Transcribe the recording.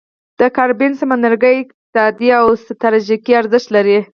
د کارابین سمندرګي اقتصادي او ستراتیژیکي ارزښت لري.